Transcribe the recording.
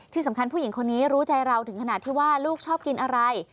ผู้หญิงคนนี้รู้ใจเราถึงขนาดที่ว่าลูกชอบกินอะไร